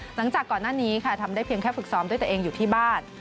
หลังจากก่อนหน้านี้ค่ะทำได้เพียงแค่ฝึกซ้อมด้วยตัวเองอยู่ที่บ้าน